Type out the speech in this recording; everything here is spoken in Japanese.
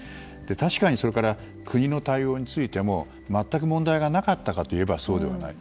確かに、国の対応についても全く問題がなかったといえばそうではない。